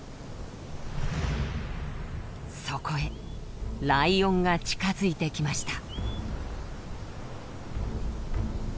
そこへライオンが近づいてきました。